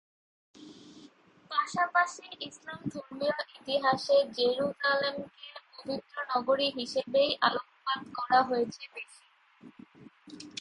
পাশাপাশি ইসলাম ধর্মীয় ইতিহাসে জেরুসালেমকে পবিত্র নগরী হিসেবেই আলোকপাত করা হয়েছে বেশি।